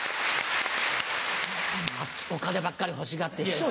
お金ばっかり欲しがって師匠